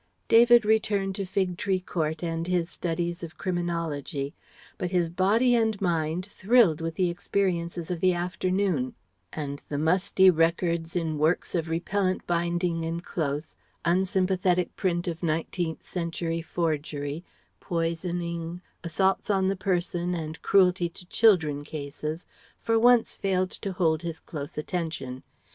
David returned to Fig Tree Court and his studies of criminology. But his body and mind thrilled with the experiences of the afternoon; and the musty records in works of repellent binding and close, unsympathetic print of nineteenth century forgery, poisoning, assaults on the person, and cruelty to children cases for once failed to hold his close attention.